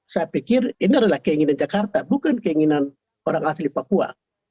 saya pikir ini adalah keinginan jakarta bukan keinginan orang asli papua